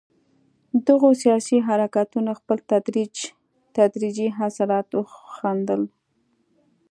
دغو سیاسي حرکتونو خپل تدریجي اثرات وښندل.